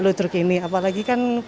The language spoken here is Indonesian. ludruk ini apalagi kan